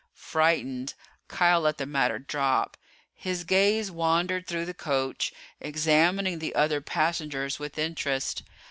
Frightened, Kial let the matter drop. His gaze wandered through the coach, examining the other passengers with interest.